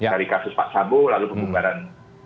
dari kasus pak sabu lalu pengubahan